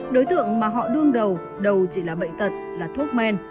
đối tượng mà họ đương đầu đầu chỉ là bệnh tật là thuốc men